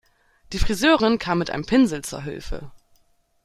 Die Friseurin kam mit einem Pinsel zu Hilfe.